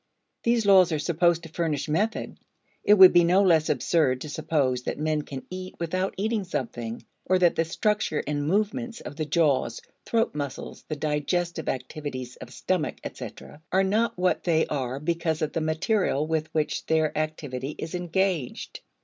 These laws are supposed to furnish method. It would be no less absurd to suppose that men can eat without eating something, or that the structure and movements of the jaws, throat muscles, the digestive activities of stomach, etc., are not what they are because of the material with which their activity is engaged.